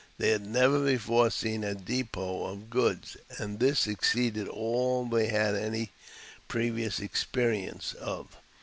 They had never before seen a depot of goods, and this exceeded all they had any previous experience of.